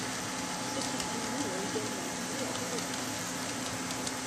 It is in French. Cédric Dumond l'a également doublé à deux reprises.